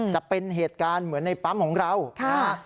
จะเป็นเหตุการณ์เหมือนในปั๊มของเรานะฮะ